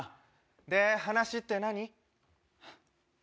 で、話って何？